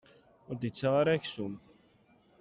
Ur d-ittaɣ ara aksum.